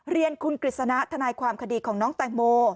เรียนคุณกฤษณะทนายความคดีของน้องแตงโม